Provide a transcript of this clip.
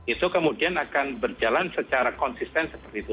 itu kemudian akan berjalan secara konsisten seperti itu